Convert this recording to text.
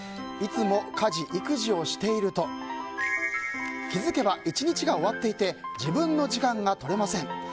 いつも家事・育児をしていると気づけば１日が終わっていて自分の時間が取れません。